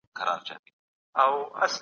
هر هغه څېړنه چي ګټوره وي خلک یې ستايي.